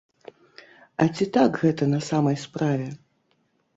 А ці так гэта на самай справе?